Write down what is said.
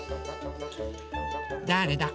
だれだ？